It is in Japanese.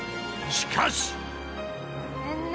［しかし！］